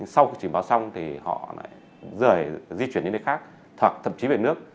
sau trình báo xong thì họ lại rời di chuyển đến nơi khác hoặc thậm chí về nước